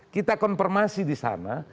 dpr yang ada disana